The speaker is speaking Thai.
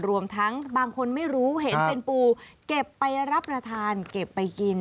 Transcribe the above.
รวมทั้งบางคนไม่รู้เห็นเป็นปูเก็บไปรับประทานเก็บไปกิน